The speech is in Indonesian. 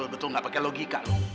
gak ada yang mau pakai logika